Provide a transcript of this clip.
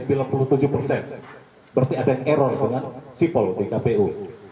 berarti ada error dengan kpu